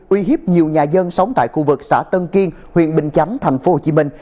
uy hiếp nhiều nhà dân sống tại khu vực xã tân kiên huyện bình chánh thành phố hồ chí minh